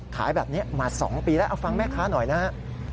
ขายแบบนี้มา๒ปีแล้วเอาฟังแม่ค้าหน่อยนะฮะ